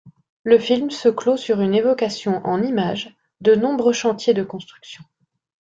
Le film se clôt sur une évocation en images de nombreux chantiers de construction.